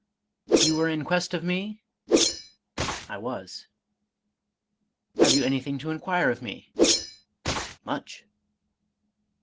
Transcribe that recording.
You were in quest of me ?"—" I was." " Have you anything to inquire of me?" — "Much."